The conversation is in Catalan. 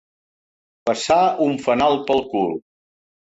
Passar un fanal pel cul.